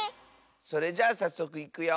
それじゃあさっそくいくよ。